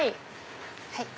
はい。